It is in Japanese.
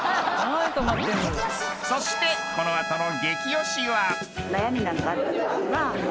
［そしてこの後の］